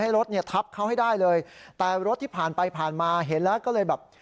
รถเนี่ยทับเขาให้ได้เลยแต่รถที่ผ่านไปผ่านมาเห็นแล้วก็เลยแบบ